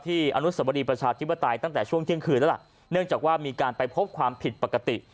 อนุสวรีประชาธิปไตยตั้งแต่ช่วงเที่ยงคืนแล้วล่ะเนื่องจากว่ามีการไปพบความผิดปกติ